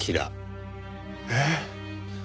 えっ？